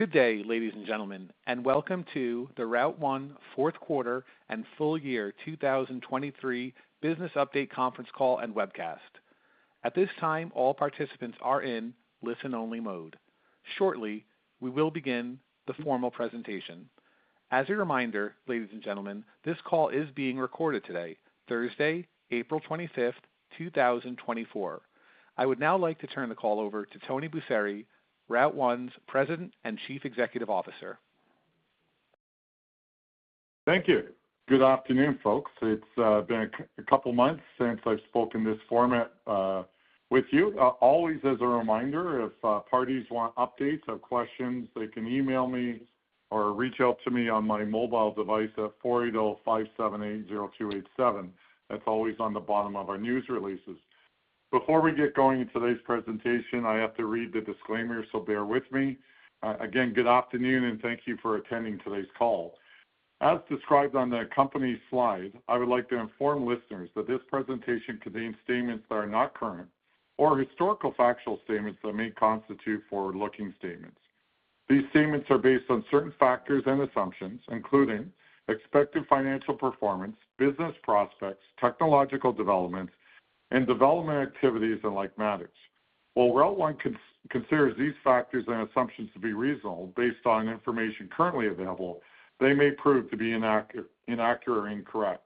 Good day, ladies and gentlemen, and welcome to the Route1 fourth quarter and full year 2023 business update conference call and webcast. At this time, all participants are in listen-only mode. Shortly, we will begin the formal presentation. As a reminder, ladies and gentlemen, this call is being recorded today, Thursday, April 25, 2024. I would now like to turn the call over to Tony Busseri, Route1's President and Chief Executive Officer. Thank you. Good afternoon, folks. It's been a couple months since I've spoken this format with you. Always as a reminder, if parties want updates or questions, they can email me or reach out to me on my mobile device at 480-578-0287. That's always on the bottom of our news releases. Before we get going in today's presentation, I have to read the disclaimer, so bear with me. Again, good afternoon, and thank you for attending today's call. As described on the company slide, I would like to inform listeners that this presentation contains statements that are not current or historical factual statements that may constitute forward-looking statements. These statements are based on certain factors and assumptions, including expected financial performance, business prospects, technological developments, and development activities and like matters. While Route1 considers these factors and assumptions to be reasonable based on information currently available, they may prove to be inaccurate or incorrect.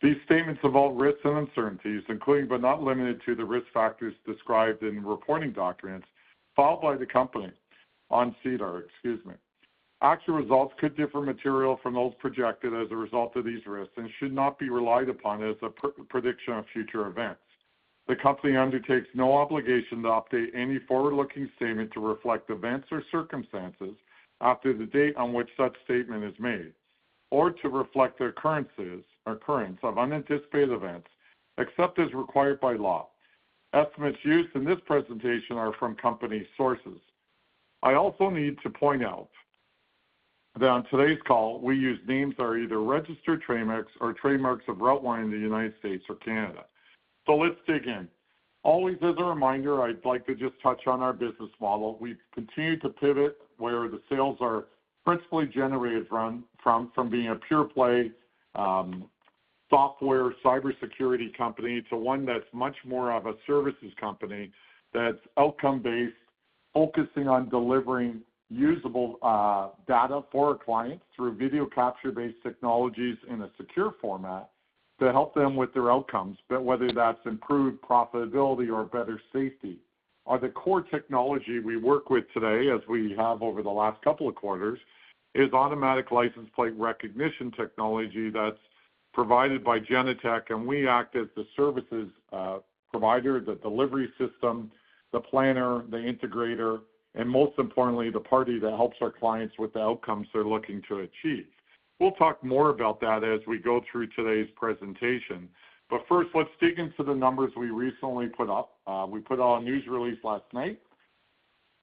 These statements involve risks and uncertainties, including but not limited to the risk factors described in reporting documents filed by the company on SEDAR, excuse me. Actual results could differ materially from those projected as a result of these risks and should not be relied upon as a prediction of future events. The company undertakes no obligation to update any forward-looking statement to reflect events or circumstances after the date on which such statement is made, or to reflect the occurrences or occurrence of unanticipated events except as required by law. Estimates used in this presentation are from company sources. I also need to point out that on today's call, we use names that are either registered trademarks or trademarks of Route1 in the United States or Canada. So let's dig in. Always as a reminder, I'd like to just touch on our business model. We continue to pivot where the sales are principally generated from, from being a pure-play, software cybersecurity company to one that's much more of a services company that's outcome-based, focusing on delivering usable, data for our clients through video capture-based technologies in a secure format to help them with their outcomes. But whether that's improved profitability or better safety, the core technology we work with today, as we have over the last couple of quarters, is automatic license plate recognition technology that's provided by Genetec. And we act as the service provider, the delivery system, the planner, the integrator, and most importantly, the party that helps our clients with the outcomes they're looking to achieve. We'll talk more about that as we go through today's presentation. But first, let's dig into the numbers we recently put up. We put out a news release last night.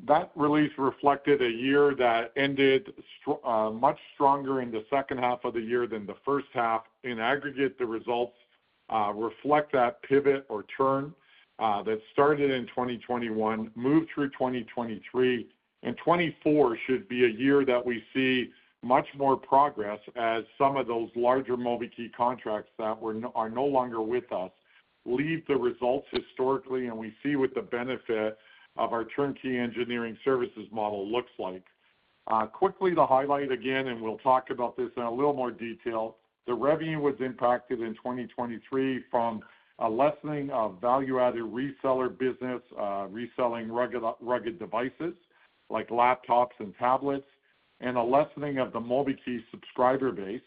That release reflected a year that ended much stronger in the second half of the year than the first half. In aggregate, the results reflect that pivot or turn that started in 2021, moved through 2023. And 2024 should be a year that we see much more progress as some of those larger MobiKEY contracts that were no longer with us leave the results historically, and we see what the benefit of our turnkey engineering services model looks like. Quickly, to highlight again, and we'll talk about this in a little more detail, the revenue was impacted in 2023 from a lessening of value-added reseller business, reselling rugged devices like laptops and tablets, and a lessening of the MobiKEY subscriber base.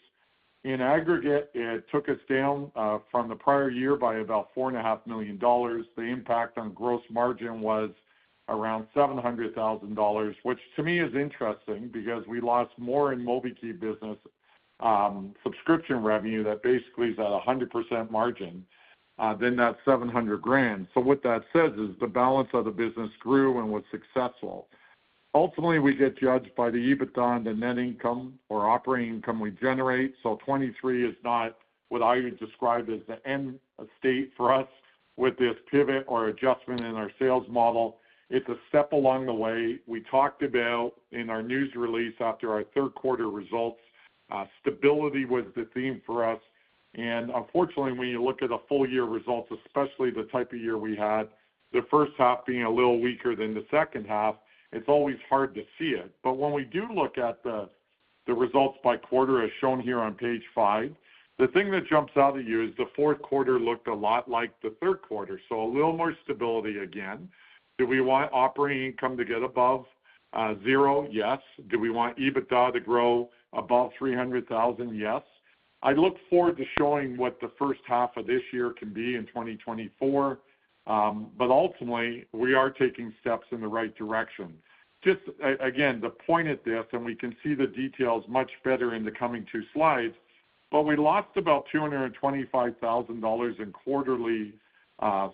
In aggregate, it took us down, from the prior year by about 4.5 million dollars. The impact on gross margin was around 700,000 dollars, which to me is interesting because we lost more in MobiKEY business, subscription revenue that basically is at 100% margin, than that 700 grand. So what that says is the balance of the business grew and was successful. Ultimately, we get judged by the EBITDA, the net income or operating income we generate. So 2023 is not what I would describe as the end state for us with this pivot or adjustment in our sales model. It's a step along the way. We talked about in our news release after our third quarter results, stability was the theme for us. Unfortunately, when you look at the full year results, especially the type of year we had, the first half being a little weaker than the second half, it's always hard to see it. When we do look at the results by quarter, as shown here on page five, the thing that jumps out at you is the fourth quarter looked a lot like the third quarter. A little more stability again. Do we want operating income to get above 0? Yes. Do we want EBITDA to grow above 300,000? Yes. I look forward to showing what the first half of this year can be in 2024, but ultimately, we are taking steps in the right direction. Just again, the point is this, and we can see the details much better in the coming two slides, but we lost about $225,000 in quarterly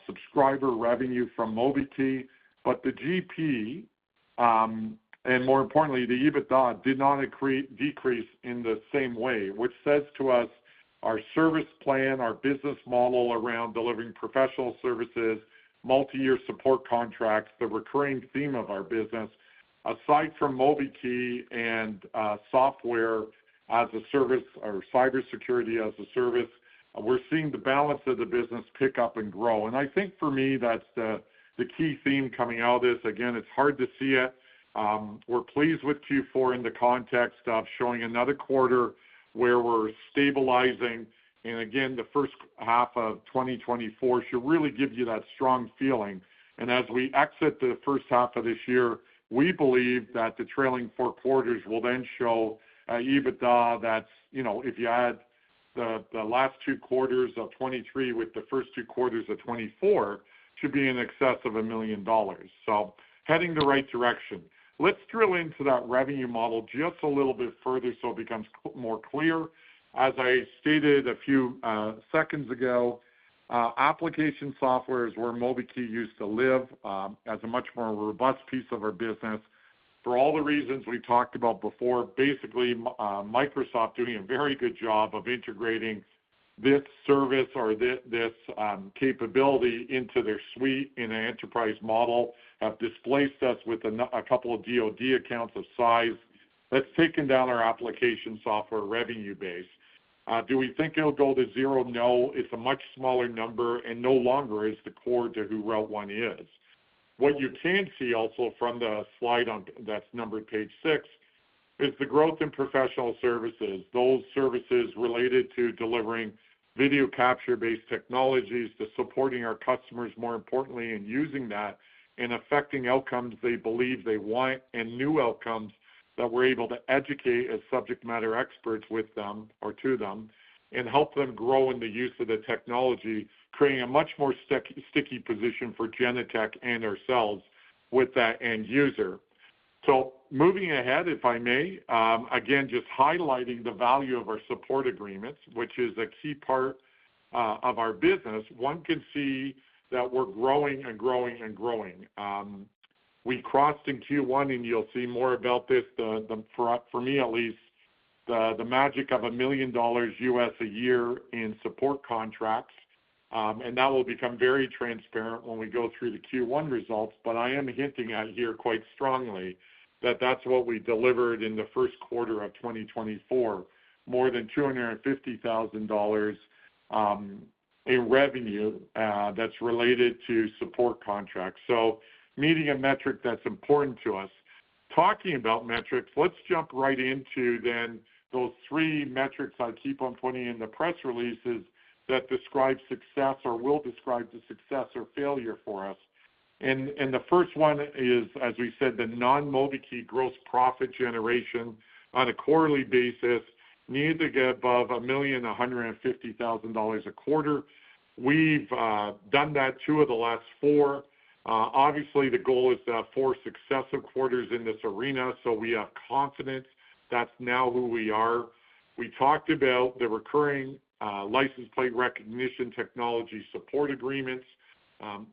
subscriber revenue from MobiKEY. But the GP, and more importantly, the EBITDA did not decrease in the same way, which says to us our service plan, our business model around delivering professional services, multi-year support contracts, the recurring theme of our business, aside from MobiKEY and software as a service or cybersecurity as a service, we're seeing the balance of the business pick up and grow. And I think for me, that's the key theme coming out of this. Again, it's hard to see it. We're pleased with Q4 in the context of showing another quarter where we're stabilizing. And again, the first half of 2024 should really give you that strong feeling. As we exit the first half of this year, we believe that the trailing four quarters will then show an EBITDA that's, you know, if you add the last two quarters of 2023 with the first two quarters of 2024, should be in excess of $1 million. Heading the right direction. Let's drill into that revenue model just a little bit further so it becomes more clear. As I stated a few seconds ago, application software is where MobiKEY used to live, as a much more robust piece of our business. For all the reasons we talked about before, basically, Microsoft doing a very good job of integrating this service or this capability into their suite in an enterprise model have displaced us with a couple of DoD accounts of size that's taken down our application Software revenue base. Do we think it'll go to zero? No. It's a much smaller number, and no longer is the core to who Route1 is. What you can see also from the slide on that's numbered page six is the growth in professional services, those services related to delivering video capture-based technologies, to supporting our customers, more importantly, in using that and affecting outcomes they believe they want and new outcomes that we're able to educate as subject matter experts with them or to them and help them grow in the use of the technology, creating a much more sticky position for Genetec and ourselves with that end user. So moving ahead, if I may, again, just highlighting the value of our support agreements, which is a key part, of our business, one can see that we're growing and growing and growing. We crossed in Q1, and you'll see more about this, for me, at least, the magic of $1 million a year in support contracts. And that will become very transparent when we go through the Q1 results. But I am hinting at here quite strongly that that's what we delivered in the first quarter of 2024, more than $250,000 in revenue that's related to support contracts. So meeting a metric that's important to us. Talking about metrics, let's jump right into then those three metrics I keep on putting in the press releases that describe success or will describe the success or failure for us. The first one is, as we said, the non-MobiKEY gross profit generation on a quarterly basis needed to get above $1,150,000 a quarter. We've done that two of the last four. Obviously, the goal is to have four successive quarters in this arena, so we have confidence that's now who we are. We talked about the recurring, license plate recognition technology support agreements.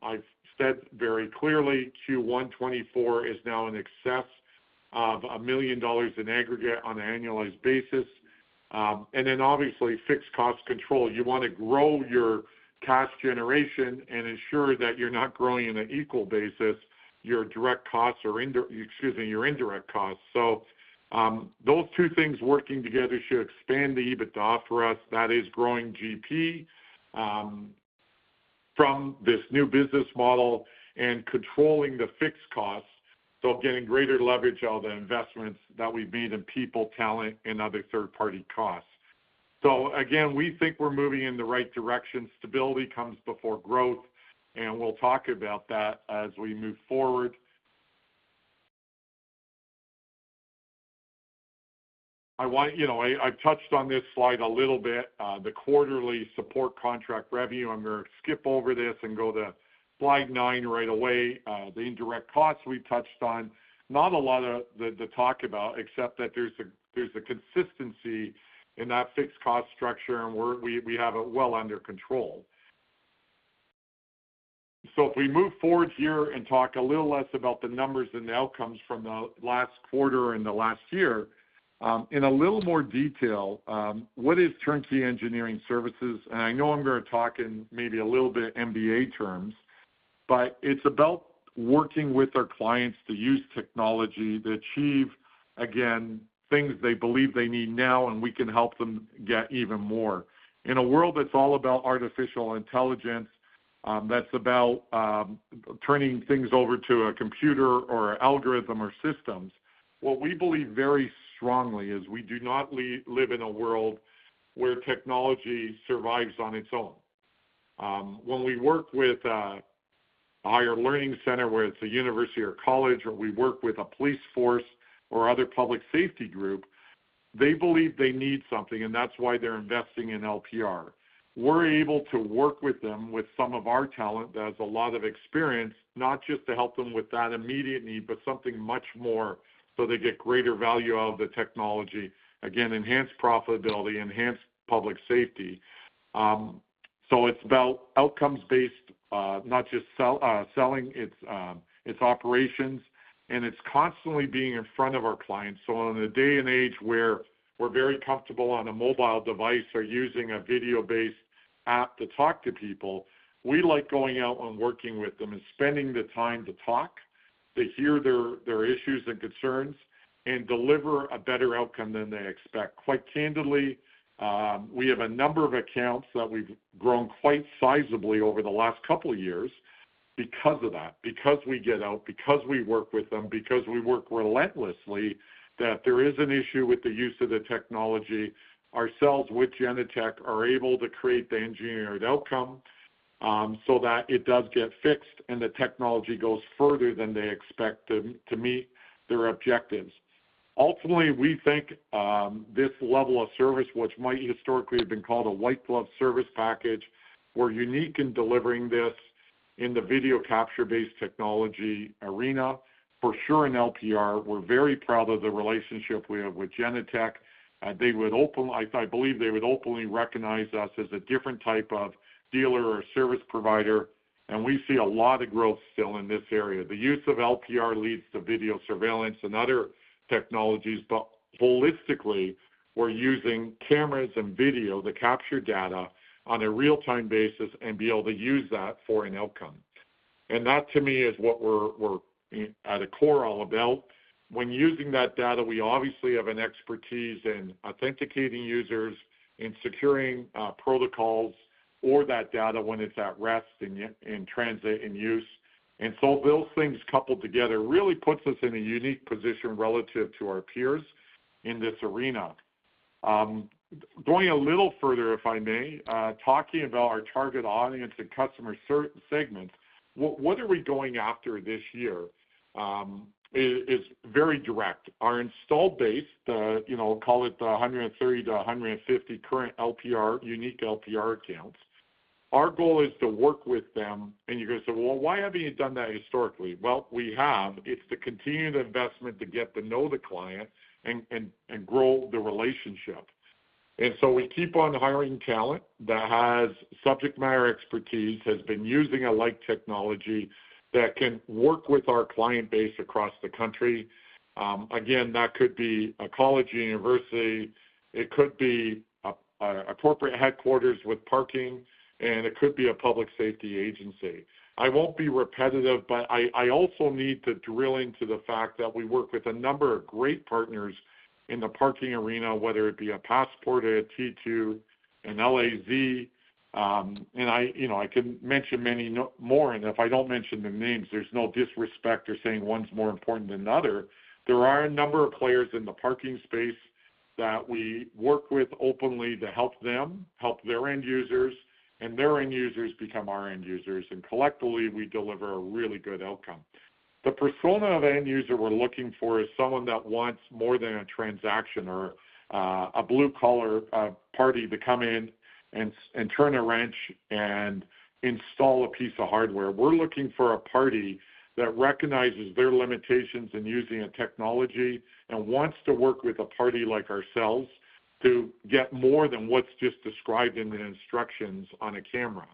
I've said very clearly Q1 2024 is now in excess of $1 million in aggregate on an annualized basis. And then obviously, fixed cost control. You want to grow your cash generation and ensure that you're not growing on an equal basis, your direct costs or indirect excuse me, your indirect costs. So, those two things working together should expand the EBITDA for us. That is growing GP, from this new business model and controlling the fixed costs. So getting greater leverage out of the investments that we've made in people, talent, and other third-party costs. So again, we think we're moving in the right direction. Stability comes before growth, and we'll talk about that as we move forward. I want you to know, I've touched on this slide a little bit, the quarterly support contract revenue. I'm going to skip over this and go to slide nine right away, the indirect costs we touched on. Not a lot to talk about, except that there's a consistency in that fixed cost structure, and we have it well under control. So if we move forward here and talk a little less about the numbers and the outcomes from the last quarter and the last year, in a little more detail, what is Turnkey Engineering Services? And I know I'm going to talk in maybe a little bit MBA terms, but it's about working with our clients to use technology to achieve, again, things they believe they need now, and we can help them get even more. In a world that's all about artificial intelligence, that's about turning things over to a computer or algorithm or systems, what we believe very strongly is we do not live in a world where technology survives on its own. When we work with a higher learning center where it's a university or college, or we work with a police force or other public safety group, they believe they need something, and that's why they're investing in LPR. We're able to work with them with some of our talent that has a lot of experience, not just to help them with that immediate need, but something much more so they get greater value out of the technology. Again, enhanced profitability, enhanced public safety. So it's about outcomes-based, not just selling, it's operations, and it's constantly being in front of our clients. So in a day and age where we're very comfortable on a mobile device or using a video-based app to talk to people, we like going out and working with them and spending the time to talk, to hear their issues and concerns, and deliver a better outcome than they expect. Quite candidly, we have a number of accounts that we've grown quite sizably over the last couple of years because of that, because we get out, because we work with them, because we work relentlessly, that there is an issue with the use of the technology. Ourselves with Genetec are able to create the engineered outcome, so that it does get fixed and the technology goes further than they expect to meet their objectives. Ultimately, we think this level of service, which might historically have been called a white-glove service package, we're unique in delivering this in the video capture-based technology arena, for sure in LPR. We're very proud of the relationship we have with Genetec. They would openly, I believe, recognize us as a different type of dealer or service provider. We see a lot of growth still in this area. The use of LPR leads to video surveillance and other technologies, but holistically, we're using cameras and video to capture data on a real-time basis and be able to use that for an outcome. That, to me, is what we're at a core all about. When using that data, we obviously have an expertise in authenticating users, in securing protocols for that data when it's at rest and in transit and use. And so those things coupled together really puts us in a unique position relative to our peers in this arena. Going a little further, if I may, talking about our target audience and customer segments, what are we going after this year? It's very direct. Our install base, the, you know, call it the 130-150 current LPR, unique LPR accounts, our goal is to work with them. And you're going to say, "Well, why haven't you done that historically?" Well, we have. It's to continue the investment to get to know the client and grow the relationship. And so we keep on hiring talent that has subject matter expertise, has been using a like technology that can work with our client base across the country. Again, that could be a college university. It could be a corporate headquarters with parking, and it could be a public safety agency. I won't be repetitive, but I also need to drill into the fact that we work with a number of great partners in the parking arena, whether it be Passport, T2, LAZ. And I, you know, I can mention many more. If I don't mention the names, there's no disrespect or saying one's more important than the other. There are a number of players in the parking space that we work with openly to help them, help their end users, and their end users become our end users. Collectively, we deliver a really good outcome. The persona of end user we're looking for is someone that wants more than a transaction or a blue-collar party to come in and turn a wrench and install a piece of hardware. We're looking for a party that recognizes their limitations in using a technology and wants to work with a party like ourselves to get more than what's just described in the instructions on a camera.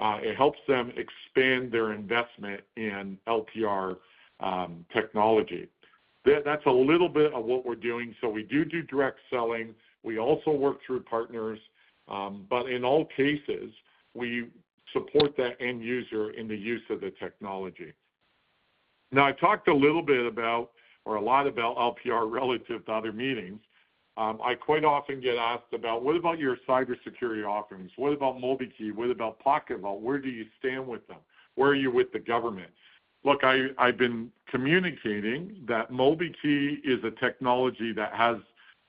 It helps them expand their investment in LPR technology. That's a little bit of what we're doing. So we do do direct selling. We also work through partners. But in all cases, we support that end user in the use of the technology. Now, I talked a little bit about or a lot about LPR relative to other meetings. I quite often get asked about, "What about your cybersecurity offerings? What about MobiKEY? What about PocketVault? Where do you stand with them? Where are you with the government?" Look, I've been communicating that MobiKEY is a technology that has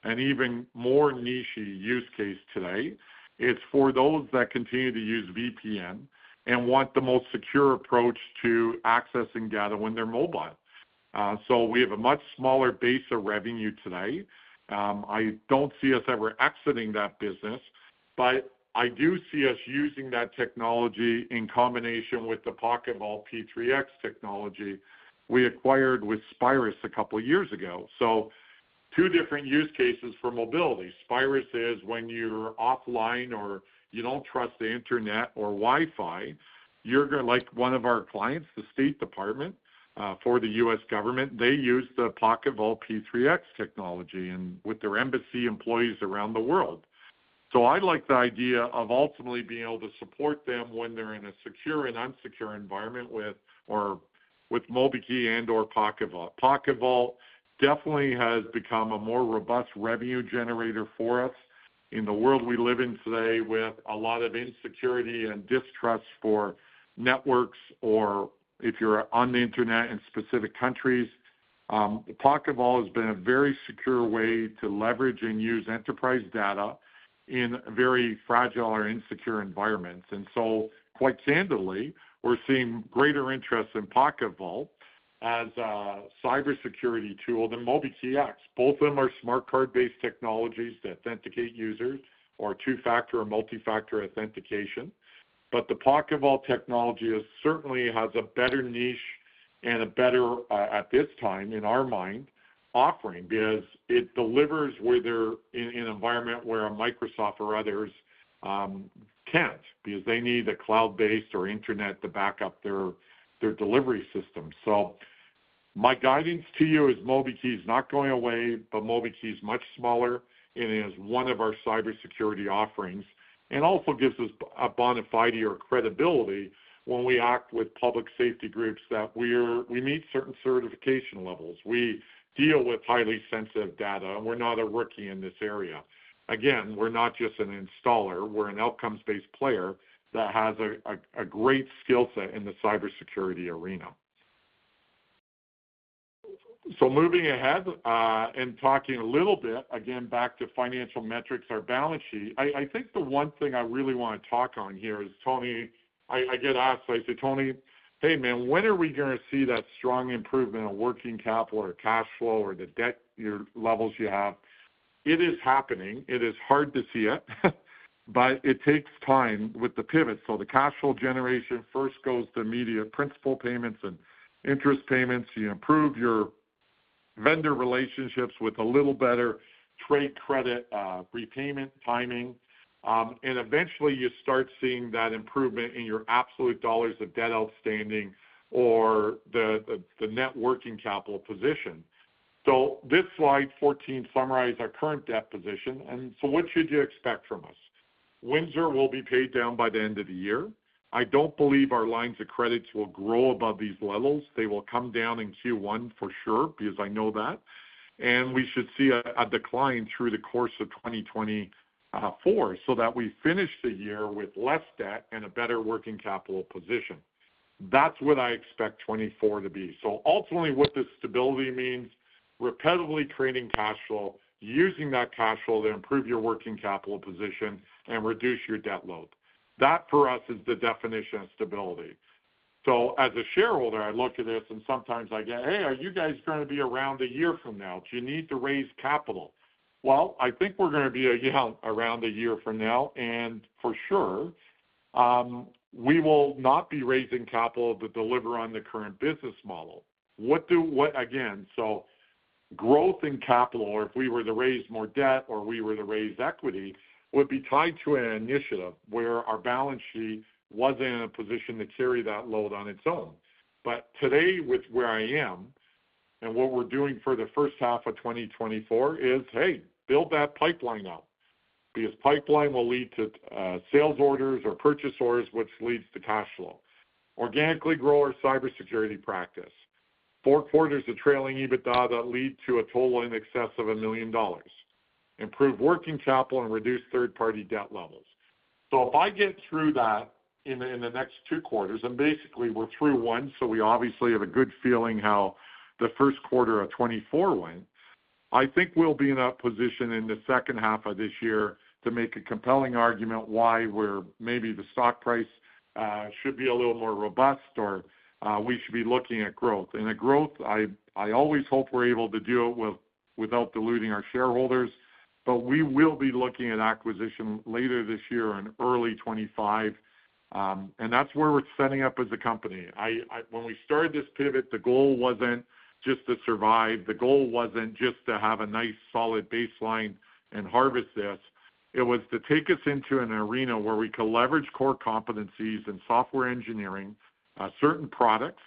an even more niche use case today. It's for those that continue to use VPN and want the most secure approach to accessing data when they're mobile. So we have a much smaller base of revenue today. I don't see us ever exiting that business, but I do see us using that technology in combination with the PocketVault P-3X technology we acquired with Spyrus a couple of years ago. So two different use cases for mobility. Spyrus is when you're offline or you don't trust the internet or Wi-Fi. You're going to like one of our clients, the State Department, for the U.S. government. They use the PocketVault P-3X technology with their embassy employees around the world. So I like the idea of ultimately being able to support them when they're in a secure and unsecure environment with or MobiKEY and/or PocketVault. PocketVault definitely has become a more robust revenue generator for us in the world we live in today with a lot of insecurity and distrust for networks or if you're on the internet in specific countries. PocketVault has been a very secure way to leverage and use enterprise data in very fragile or insecure environments. And so quite candidly, we're seeing greater interest in PocketVault as a cybersecurity tool than MobiKEY is both of them are smart card-based technologies that authenticate users or two-factor or multifactor authentication. But the PocketVault technology certainly has a better niche and a better, at this time, in our mind, offering because it delivers whether in an environment where Microsoft or others can't because they need a cloud-based or internet to back up their delivery system. So my guidance to you is MobiKEY is not going away, but MobiKEY is much smaller, and it is one of our cybersecurity offerings and also gives us a bona fide or credibility when we act with public safety groups that we meet certain certification levels. We deal with highly sensitive data, and we're not a rookie in this area. Again, we're not just an installer. We're an outcomes-based player that has a great skill set in the cybersecurity arena. So moving ahead and talking a little bit, again, back to financial metrics, our balance sheet, I think the one thing I really want to talk on here is Tony. I get asked, I say, "Tony, hey, man, when are we going to see that strong improvement in working capital or cash flow or the debt levels you have?" It is happening. It is hard to see it, but it takes time with the pivot. So the cash flow generation first goes to immediate principal payments and interest payments. You improve your vendor relationships with a little better trade credit repayment timing. And eventually, you start seeing that improvement in your absolute dollars of debt outstanding or the net working capital position. So this slide 14 summarizes our current debt position. And so what should you expect from us? Windsor will be paid down by the end of the year. I don't believe our lines of credit will grow above these levels. They will come down in Q1 for sure because I know that. And we should see a decline through the course of 2024 so that we finish the year with less debt and a better working capital position. That's what I expect 2024 to be. So ultimately, what this stability means, repetitively creating cash flow, using that cash flow to improve your working capital position and reduce your debt load. That for us is the definition of stability. So as a shareholder, I look at this, and sometimes I get, "Hey, are you guys going to be around a year from now? Do you need to raise capital?" Well, I think we're going to be around a year from now. And for sure, we will not be raising capital to deliver on the current business model. What do we gain, so growth in capital, or if we were to raise more debt or we were to raise equity, would be tied to an initiative where our balance sheet wasn't in a position to carry that load on its own. But today, with where I am and what we're doing for the first half of 2024 is, "Hey, build that pipeline up because pipeline will lead to sales orders or purchase orders, which leads to cash flow. Organically grow our cybersecurity practice. Four quarters of trailing EBITDA that lead to a total in excess of 1 million dollars. Improve working capital and reduce third-party debt levels." So if I get through that in the next two quarters and basically, we're through one, so we obviously have a good feeling how the first quarter of 2024 went, I think we'll be in that position in the second half of this year to make a compelling argument why maybe the stock price should be a little more robust or we should be looking at growth. The growth, I always hope we're able to do it without diluting our shareholders, but we will be looking at acquisition later this year and early 2025. That's where we're setting up as a company. When we started this pivot, the goal wasn't just to survive. The goal wasn't just to have a nice, solid baseline and harvest this. It was to take us into an arena where we could leverage core competencies in software engineering, certain products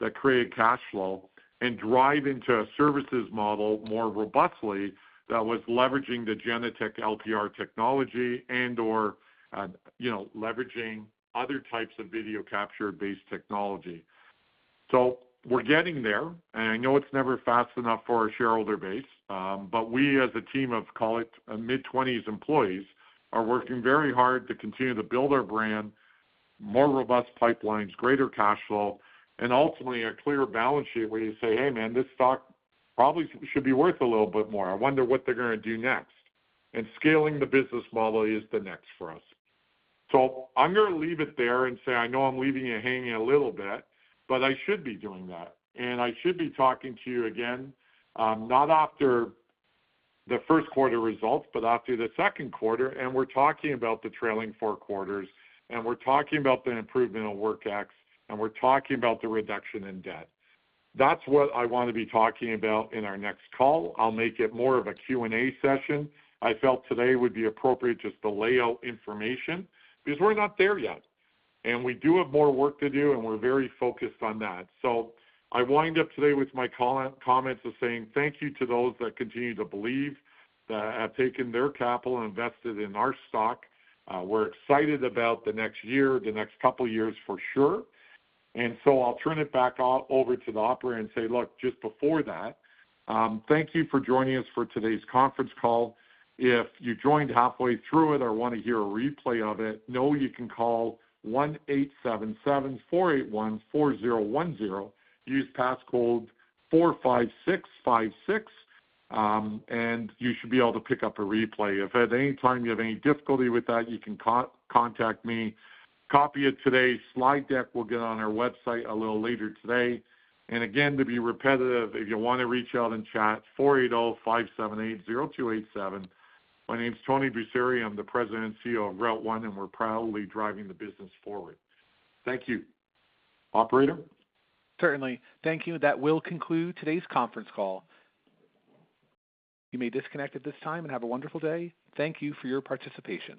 that create cash flow, and drive into a services model more robustly that was leveraging the Genetec LPR technology and/or, you know, leveraging other types of video capture-based technology. So we're getting there. I know it's never fast enough for our shareholder base, but we, as a team of, call it, mid-20s employees, are working very hard to continue to build our brand, more robust pipelines, greater cash flow, and ultimately a clear balance sheet where you say, "Hey, man, this stock probably should be worth a little bit more. I wonder what they're going to do next." Scaling the business model is the next for us. So I'm going to leave it there and say, "I know I'm leaving you hanging a little bit, but I should be doing that. I should be talking to you again, not after the first quarter results, but after the second quarter." We're talking about the trailing four quarters. We're talking about the improvement of WorX. We're talking about the reduction in debt. That's what I want to be talking about in our next call. I'll make it more of a Q&A session. I felt today would be appropriate just to lay out information because we're not there yet. We do have more work to do, and we're very focused on that. So I wind up today with my comments of saying thank you to those that continue to believe that have taken their capital and invested in our stock. We're excited about the next year, the next couple of years for sure. So I'll turn it back over to the operator and say, "Look, just before that, thank you for joining us for today's conference call. If you joined halfway through it or want to hear a replay of it, know you can call 1-877-481-4010. Use passcode 45656. And you should be able to pick up a replay. If at any time you have any difficulty with that, you can contact me. Copy it today. Slide deck will get on our website a little later today. And again, to be repetitive, if you want to reach out and chat, 480-578-0287. My name's Tony Busseri. I'm the President and CEO of Route1, and we're proudly driving the business forward. Thank you, operator. Certainly. Thank you. That will conclude today's conference call. You may disconnect at this time and have a wonderful day. Thank you for your participation.